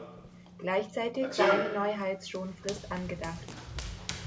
Gleichzeitig war eine Neuheitsschonfrist angedacht.